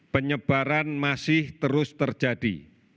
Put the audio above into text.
penyebaran masih terus terjadi